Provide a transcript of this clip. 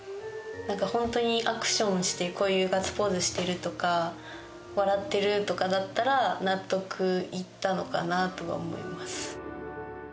なんか本当にアクションして、こういうガッツポーズしてるとか、笑っているとかだったら納得いったのかなとは思います。